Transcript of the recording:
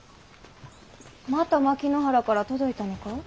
また牧之原から届いたのか。